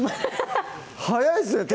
早いですね